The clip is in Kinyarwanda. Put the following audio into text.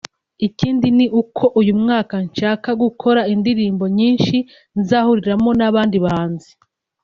Ikindi ni uko uyu mwaka nshaka gukora indirimbo nyinshi nzahuriramo n’abandi bahanzi